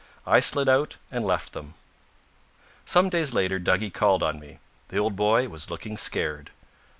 I slid out and left them. Some days later Duggie called on me. The old boy was looking scared.